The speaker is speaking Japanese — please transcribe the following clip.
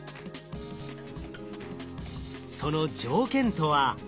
その条件とは。